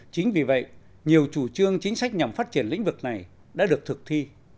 chính vì vậy nhiều chủ trương chính sách nhằm phát triển lĩnh vực này đã được thực thi